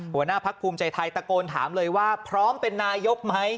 หัวหน้าพักภูมิใจไทยตะโกนถามเลยว่าพร้อมเป็นนายกไหม